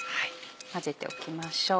混ぜておきましょう。